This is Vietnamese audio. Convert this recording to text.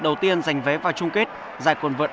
đầu tiên giành vé vào chung kết giải quần vợt